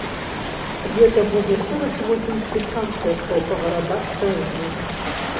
Гэта будзе шэраг восеньскіх канцэртаў па гарадах краіны.